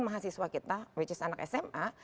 mahasiswa kita which is anak sma